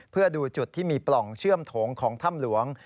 เพื่อดูจุดที่มีปล่องเชื่อมโถงของถ้ำหลวง